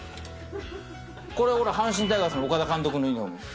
阪神タイガースの岡田監督のユニホーム。